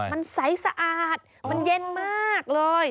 มันใสสะอาดมันเย็นมากเลย